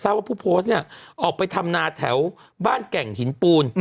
ว่าผู้โพสต์เนี่ยออกไปทำนาแถวบ้านแก่งหินปูน